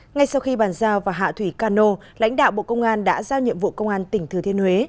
ngay sau khi bàn giao và hạ thủy cano lãnh đạo bộ công an đã giao nhiệm vụ công an tỉnh thừa thiên huế